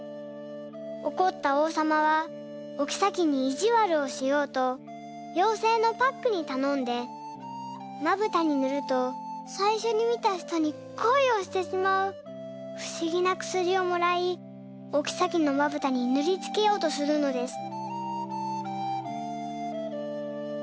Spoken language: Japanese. おこったおうさまはおきさきにいじわるをしようとようせいのパックにたのんで「まぶたにぬるとさいしょに見た人に恋をしてしまうふしぎなくすり」をもらいおきさきのまぶたにぬりつけようとするのです。